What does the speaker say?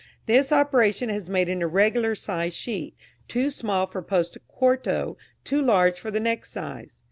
This operation has made an irregular sized sheet too small for post quarto, too large for the next size.